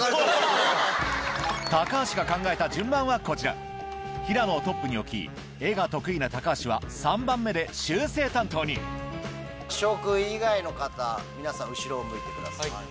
橋が考えた順番はこちら平野をトップに置き絵が得意な橋は３番目で修正担当に紫耀君以外の方皆さん後ろを向いてください。